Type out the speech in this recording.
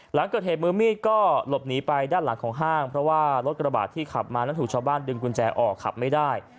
หลังเกิดเหตุมือมีดก็หลบหนีไปด้านหลังของห้างเพราะว่ารถกระบาดที่ขับมานั้นถูกชาวบ้านดึงกุญแจออกขับไม่ได้